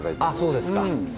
そうですか。